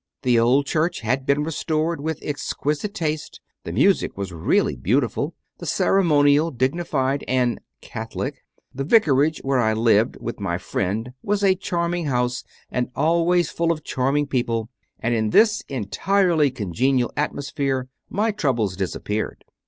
The old church had been restored with exquisite taste, the music was really beautiful, the ceremonial dignified and "Catholic"; the vicarage where I lived with my friend was a charm D 50 CONFESSIONS OF A CONVERT ing house and always full of charming people; and in this entirely congenial atmosphere my troubles disappeared.